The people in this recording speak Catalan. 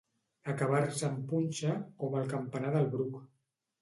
Acabar-se en punxa, com el campanar del Bruc.